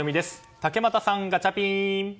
竹俣さん、ガチャピン！